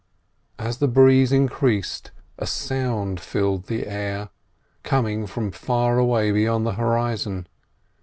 As the breeze increased a sound filled the air, coming from far away beyond the horizon.